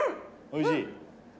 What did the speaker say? おいしい？